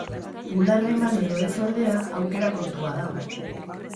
Bularra eman edo ez ordea, aukera kontua da.